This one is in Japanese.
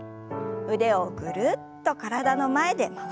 腕をぐるっと体の前で回しましょう。